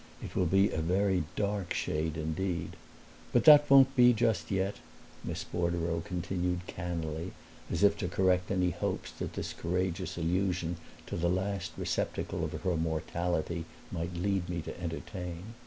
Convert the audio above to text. It will be a very dark shade indeed. But that won't be just yet," Miss Bordereau continued cannily, as if to correct any hopes that this courageous allusion to the last receptacle of her mortality might lead me to entertain.